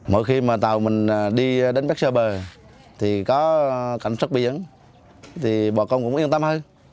mỗi khi mà tàu mình đi đến bắc sơ bờ thì có cảnh sát biển thì bọn công cũng yên tâm hơn